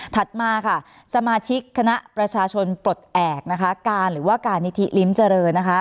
มาค่ะสมาชิกคณะประชาชนปลดแอบนะคะการหรือว่าการนิธิริมเจริญนะคะ